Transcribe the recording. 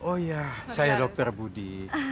oh iya saya dr budi